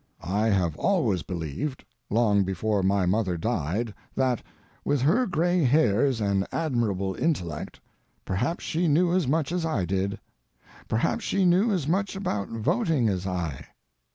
I have always believed, long before my mother died, that, with her gray hairs and admirable intellect, perhaps she knew as much as I did. Perhaps she knew as much about voting as I.